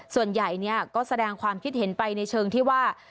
ส่วนใหญ่ก็แสดงความคิดเห็นไปในเชิงที่ว่า